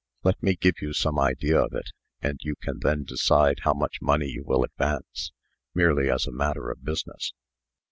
Let me give you some idea of it, and you can then decide how much money you will advance, merely as a matter of business.